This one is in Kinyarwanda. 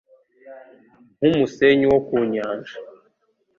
nk’umusenyi wo ku nyanja